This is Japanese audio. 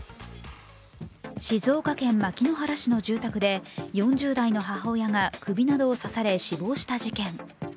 静岡県牧之原市の住宅で４０代の母親が首などを刺され死亡した事件。